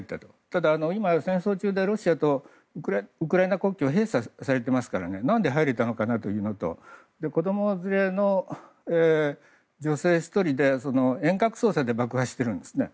ただ、今は戦争中でロシアとウクライナ国境は閉鎖されてますから何で入れたのかなというのと子供連れの女性１人で遠隔操作で爆破しているんですね。